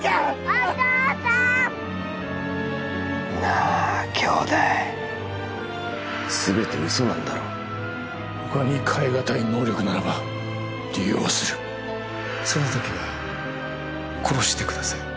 お父さんなあ兄弟全て嘘なんだろ他に代えがたい能力ならば利用するそのときは殺してください